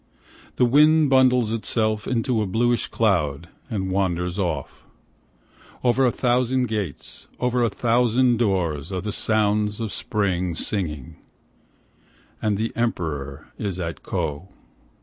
The wind bundles itself into a bluish cloud and wanders off. Over a thousand gates, over a thousand doors are the sounds of spring singing, And the Emperor is at Ko.